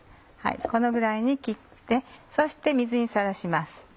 このぐらいに切ってそして水にさらします。